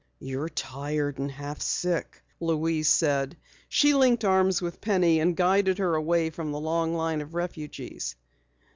"You're tired and half sick," Louise said. She linked arms with Penny and guided her away from the long line of refugees.